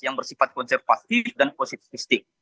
yang bersifat konservatif dan positifistik